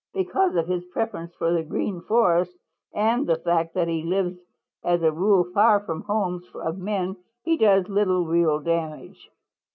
Because of his preference for the Green Forest and the fact that he lives as a rule far from the homes of men, he does little real damage.